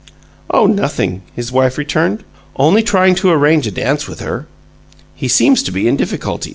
"Oh, nothing," his wife returned. "Only trying to arrange a dance with her. He seems to be in difficulties."